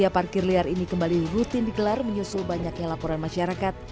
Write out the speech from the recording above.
parkir liar ini kembali rutin dikelar menyusul banyaknya laporan masyarakat